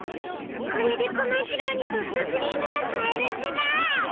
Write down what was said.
これでコマじろうにソフトクリームが買えるズラ！